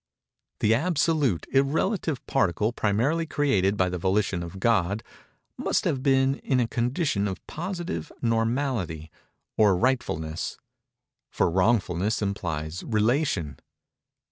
The absolute, irrelative particle primarily created by the Volition of God, must have been in a condition of positive normality, or rightfulness—for wrongfulness implies relation.